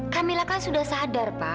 kamilah kan sudah sadar pa